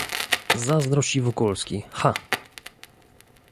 "Zazdrość i Wokulski... Cha!"